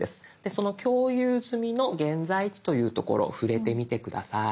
その「共有済みの現在地」という所触れてみて下さい。